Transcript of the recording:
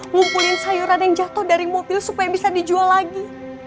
ngumpulin sayuran yang jatuh dari mobil supaya bisa dijual lagi